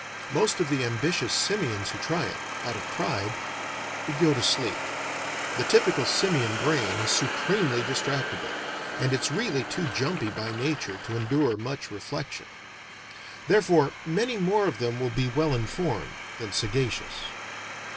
Most of the ambitious simians who try it out of pride go to sleep. The typical simian brain is supremely distractable, and it's really too jumpy by nature to endure much reflection. Therefore many more of them will be well informed than sagacious.